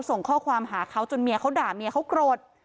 ส่งข้อความหาเขาจนเมียเขาด่าเมียเขาโกรธ